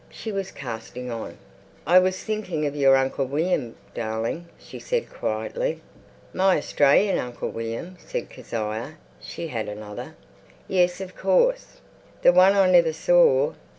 She was casting on. "I was thinking of your Uncle William, darling," she said quietly. "My Australian Uncle William?" said Kezia. She had another. "Yes, of course." "The one I never saw?"